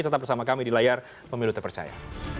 tetap bersama kami di layar pemilu terpercaya